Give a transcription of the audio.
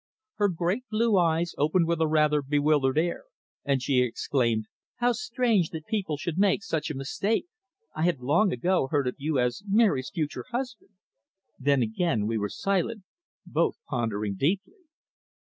Her great blue eyes opened with a rather bewildered air, and she exclaimed "How strange that people should make such a mistake! I had long ago heard of you as Mary's future husband." Then again we were silent, both pondering deeply.